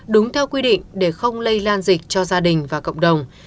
đúng theo quy định để không lây lan dịch cho gia đình và cộng đồng